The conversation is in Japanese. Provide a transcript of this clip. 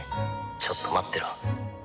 「ちょっと待ってろ」